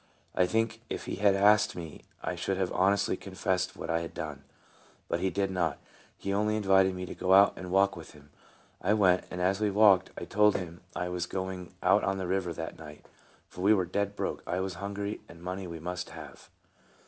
I think if he had asked me I should have honestly confessed what I had done. But he did not. He only invited me to go out and walk with him. I went ; and as we walked I told him I was going out on the river that night, for we were dead broke, I was hungry, and money we must have.